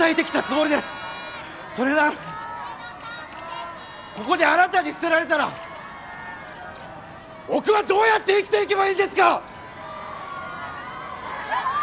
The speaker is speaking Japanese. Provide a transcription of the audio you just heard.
それなのにここであなたに捨てられたら僕はどうやって生きていけばいいんですか！